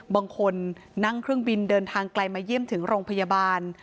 บางคนนั่งเครื่องบินเดินทางไกลมาเยี่ยมถึงโรงพยาบาล